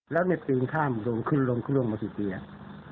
แล้วเนี่ยปีนข้ามลงขึ้นลงขึ้นลงมากี่ทีอ่ะ